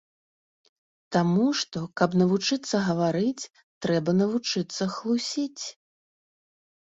Таму што, каб навучыцца гаварыць, трэба навучыцца хлусіць.